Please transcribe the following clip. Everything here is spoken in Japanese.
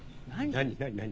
何？